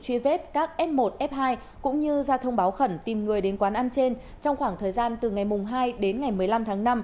truy vết các f một f hai cũng như ra thông báo khẩn tìm người đến quán ăn trên trong khoảng thời gian từ ngày hai đến ngày một mươi năm tháng năm